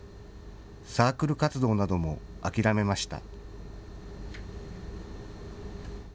サークル活動なども諦めました。